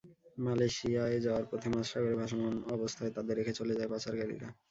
মালয়েশিয়ায় যাওয়ার পথে মাঝসাগরে ভাসমান অবস্থায় তাঁদের রেখে চলে যায় পাচারকারীরা।